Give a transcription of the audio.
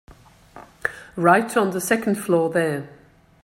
Right on the second floor there.